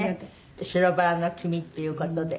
「白バラの君」っていう事で。